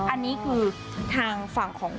อันนี้คือทางฝั่งของ